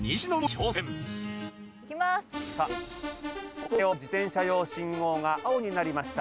歩行者用自転車用信号が青になりました。